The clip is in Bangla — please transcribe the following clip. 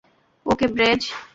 ওকে, ব্রেয।